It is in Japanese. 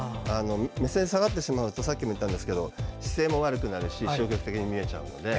目線が下がってしまうとさっきも言ったんですけど姿勢も悪くなるし消極的に見えちゃうので。